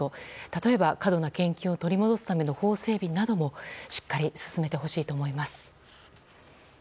例えば、過度な献金を取り戻すための法整備などもしっかり進めてほしいと思います。